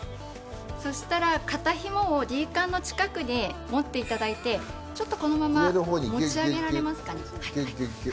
そしたら肩ひもをＤカンの近くで持って頂いてちょっとこのまま持ち上げられますかね？